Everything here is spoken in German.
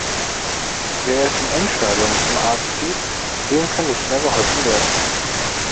Wer erst im Endstadium zum Arzt geht, dem kann nicht mehr geholfen werden.